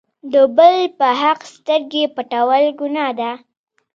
د بل په حق سترګې پټول ګناه ده.